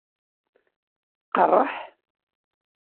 Qerreḥ?